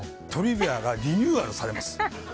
「トリビア」がリニューアルされます。